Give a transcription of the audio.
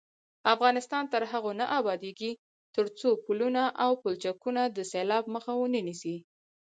افغانستان تر هغو نه ابادیږي، ترڅو پلونه او پلچکونه د سیلاب مخه ونه نیسي.